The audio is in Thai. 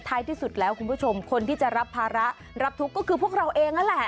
ที่สุดแล้วคุณผู้ชมคนที่จะรับภาระรับทุกข์ก็คือพวกเราเองนั่นแหละ